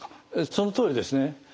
そのとおりですね。